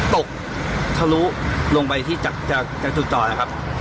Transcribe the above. ตกทะลุลงไปที่จากจุดจอดนะครับ